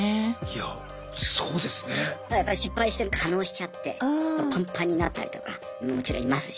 やっぱり失敗して化のうしちゃってパンパンになったりとかもちろんいますし。